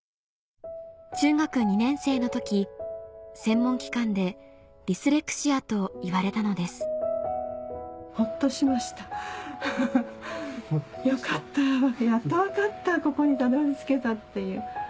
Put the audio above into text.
中学２年生の時専門機関でディスレクシアと言われたのですやっと分かったここにたどり着けたっていう。